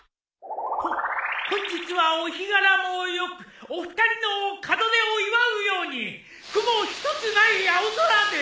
ほ本日はお日柄もよくお二人の門出を祝うように雲一つない青空で